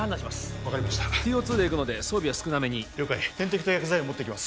分かりましたＴＯ２で行くので装備は少なめに了解点滴と薬剤は持っていきます